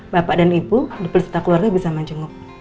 bapak dan ibu dipersetak keluarga bisa mencenguk